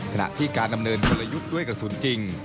ขณะที่การดำเนินกลยุทธ์ด้วยกระสุนจริง